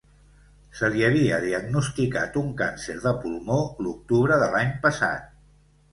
Se li havia diagnosticat un càncer de pulmó l’octubre de l’any passat.